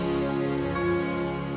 ciriung ciriung ciriung